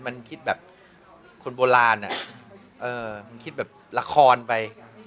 มันคิดแบบคนโบราณมันคิดแบบละครไป